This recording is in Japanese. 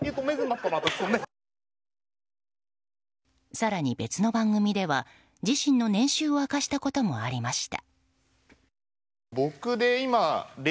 更に別の番組では自身の年収を明かしたこともありました。